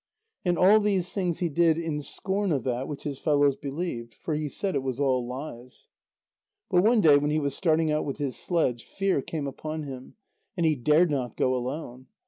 And all these things he did in scorn of that which his fellows believed. For he said it was all lies. But one day when he was starting out with his sledge, fear came upon him, and he dared not go alone.